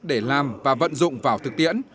để làm và vận dụng vào thực tiễn